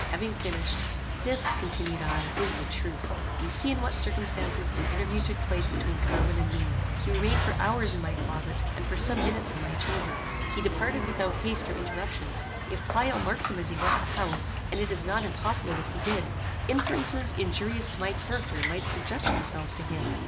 Having finished, "This," continued I, "is the truth; you see in what circumstances an interview took place between Carwin and me. He remained for hours in my closet, and for some minutes in my chamber. He departed without haste or interruption. If Pleyel marked him as he left the house, and it is not impossible that he did, inferences injurious to my character might suggest themselves to him.